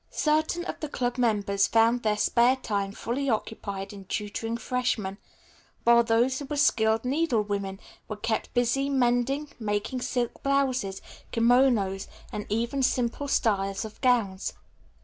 Certain of the club members found their spare time fully occupied in tutoring freshmen, while those who were skilled needlewomen were kept busy mending, making silk blouses, kimonos and even simple styles of gowns.